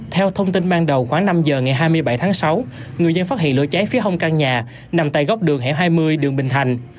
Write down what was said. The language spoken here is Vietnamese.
theo thông tin ban đầu khoảng năm giờ ngày hai mươi bảy tháng sáu người dân phát hiện lửa cháy phía hông căn nhà nằm tại góc đường hẻm hai mươi đường bình thành